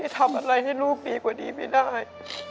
ทำอะไรให้ลูกดีกว่านี้ไม่ได้